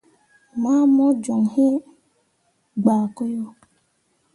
Ma mu joŋ iŋ gbaako yo.